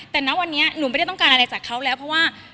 แต่ณวันนี้หนูไม่ได้ต้องการอะไรจากเขาแล้วเพราะว่า